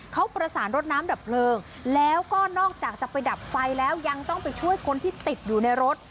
เขาประสานรถน้ำดับเพลิงแล้วก็นอกจากจะไปดับไฟแล้วยังต้องไปช่วยคนที่ติดอยู่ในรถ